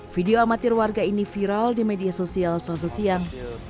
video amatir warga ini viral di media sosial selasa siang